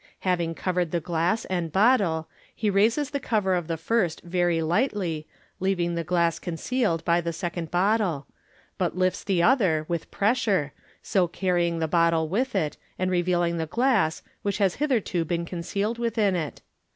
Having covered the glass and bottle, he raises the cover of the first very lightly, leaving the glass concealed by the second bottle, bat lif s the other with pressure, so carrying the bottle with it, and revealing the glass which has hitherto been concealed within it.